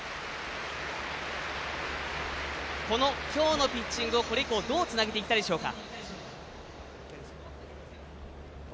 今日のピッチングを、これ以降どうつなげていきたいですか？